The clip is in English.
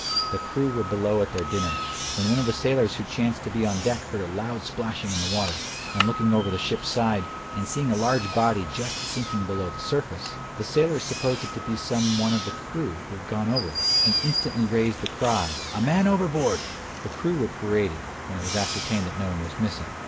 The crew were below at their dinner; when one of the sailors who chanced to be on deck heard a loud splashing in the water. On looking over the ship's side, and seeing a large body just sinking below the surface, the sailor supposed it to be some one of the crew who had gone over, and instantly raised the cry of "A man overboard!" The crew were paraded; when it was ascertained that no one was missing.